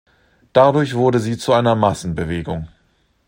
Dadurch wurde sie zu einer Massenbewegung.